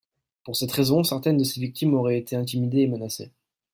Pour cette raison, certaines de ses victimes auraient été intimidées et menacées.